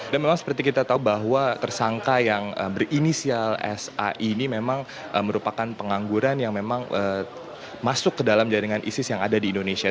dan memang seperti kita tahu bahwa tersangka yang berinisial sai ini memang merupakan pengangguran yang memang masuk ke dalam jaringan isis yang ada di indonesia